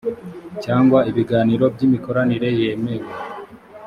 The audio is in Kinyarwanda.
cyangwa ibiganiro by’imikoranire yemewe